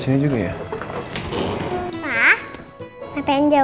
mentega sama telur nak